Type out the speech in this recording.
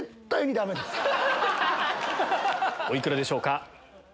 お幾らでしょうか？